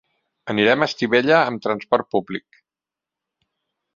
Anirem a Estivella amb transport públic.